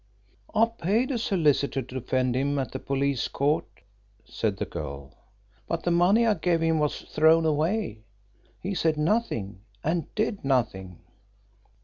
"I paid a solicitor to defend him at the police court," said the girl, "but the money I gave him was thrown away. He said nothing and did nothing."